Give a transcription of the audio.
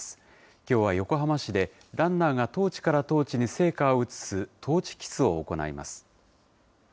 きょうは横浜市で、ランナーがトーチからトーチに聖火を移すトーチキスを行います。